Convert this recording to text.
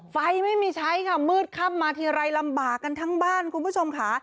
ไม่มีใช้ค่ะมืดค่ำมาทีไรลำบากกันทั้งบ้านคุณผู้ชมค่ะ